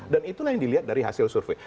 dan itulah yang dilihat dari hasil survei